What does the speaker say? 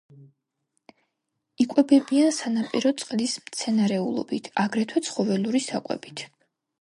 იკვებებიან სანაპირო წყლის მცენარეულობით, აგრეთვე ცხოველური საკვებით.